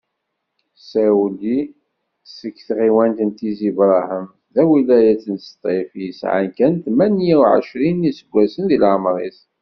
Sawli seg tɣiwant n Tizi n Brahem, tawilayt n Ṣṭif, i yesεan kan tmanya uɛecrin n yiseggasen di leεmeṛ-is.